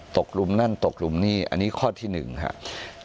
กลุ่มนั่นตกหลุมนี่อันนี้ข้อที่๑ครับ